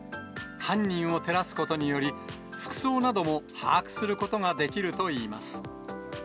犯人を照らすことにより、服装なども把握することができるといいます。